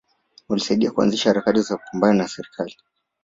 Walisaidia kuanzisha harakati za kupambana na serikali